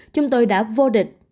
chúng tôi đã vô địch